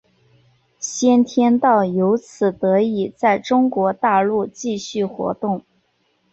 先天道由此得以在中国大陆继续活动。